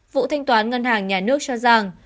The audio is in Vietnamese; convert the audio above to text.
vụ thanh toán ngân hàng nhà nước cho rằng